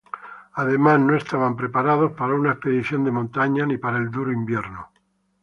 Además, no estaban preparados para una expedición de montaña, ni para el duro invierno.